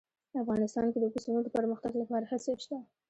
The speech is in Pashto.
افغانستان کې د پسونو د پرمختګ لپاره هڅې شته.